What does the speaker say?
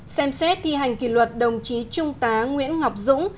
hai xem xét thi hành kỳ luật đồng chí trung tá nguyễn ngọc dũng